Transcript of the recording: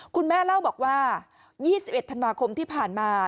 คุณแม่เล่าบอกว่า๒๑ธันวาคมที่ผ่านมา